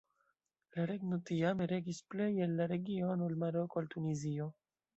La regno tiame regis plej el la regiono el Maroko al Tunizio.